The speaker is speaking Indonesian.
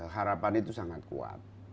harapan itu sangat kuat